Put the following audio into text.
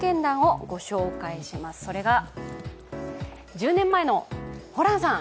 １０年前のホランさん